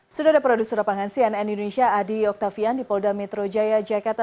sudah ada produser lapangan cnn indonesia adi oktavian di polda metro jaya jakarta